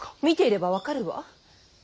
見ていれば分かるわ。